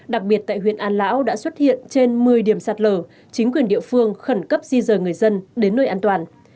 đặc biệt tại huyện an lão đã xuất hiện trên một mươi điểm sạt lở chính quyền địa phương khẩn cấp di rời người dân đến nơi an toàn